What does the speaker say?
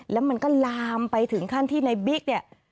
แล้วมันก็ลามไปถึงขั้นที่ในบิ๊กเนี่ย